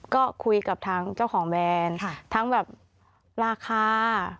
ก็คุยกับทางเจ้าของแบรนด์ทั้งแบบราคา